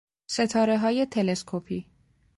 ستارههای تلسکوپی